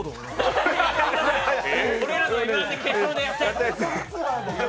これ、俺らの「Ｍ−１」の決勝で、やったやつ。